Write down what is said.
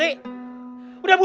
udah bubar buar